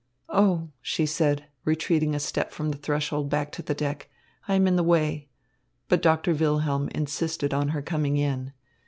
"Oh," she said, retreating a step from the threshold back to the deck, "I am in the way." But Doctor Wilhelm insisted on her coming in.